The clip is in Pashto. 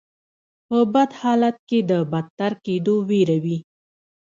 په بد حالت کې د بدتر کیدو ویره وي.